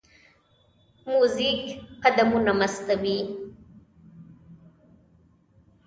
موزیک قدمونه مستوي.